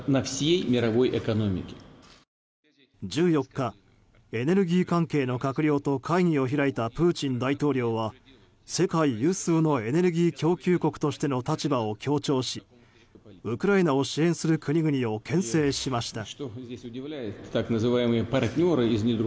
１４日、エネルギー関係の閣僚と会議を開いたプーチン大統領は世界有数のエネルギー供給国としての立場を強調しウクライナを支援する国々を牽制しました。